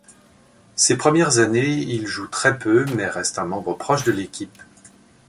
Ces premières années il joue très peu, mais reste un membre proche de l'équipe.